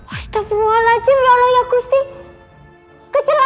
astagfirullahaladzim ya allah ya kusti kecelakaan